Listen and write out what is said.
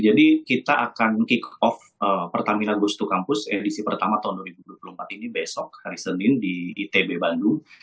jadi kita akan kick off pertamina gustu campus edisi pertama tahun dua ribu dua puluh empat ini besok hari senin di itb bandung